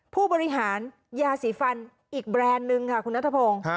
ผู้บริหารยาสีฟันอีกแบรนด์นึงค่ะคุณนัทพงศ์